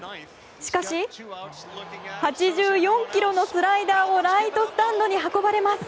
しかし８４キロのスライダーをライトスタンドに運ばれます。